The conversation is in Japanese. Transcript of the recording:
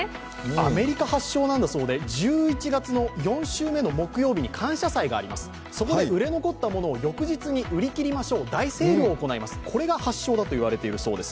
アメリカ発祥なんだそうで１１月の４週目の木曜日に感謝祭があります、そこで売れ残ったものを翌日に売り切りましょう、大セールを行います、これが発祥だといわれています。